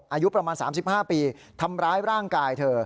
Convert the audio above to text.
อายุประมาณสามสิบห้าปีทำร้ายร่างกายเธอ